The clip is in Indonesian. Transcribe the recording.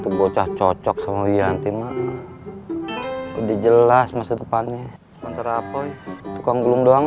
tubuh cocok sama yanti mak udah jelas masa depannya menter apa ya tukang gulung doang